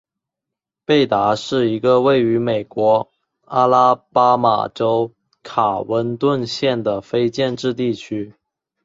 贝达是一个位于美国阿拉巴马州卡温顿县的非建制地区。